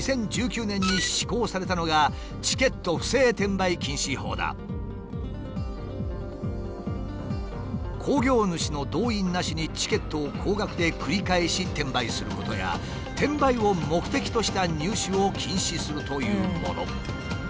歯止めをかけるべく興行主の同意なしにチケットを高額で繰り返し転売することや転売を目的とした入手を禁止するというもの。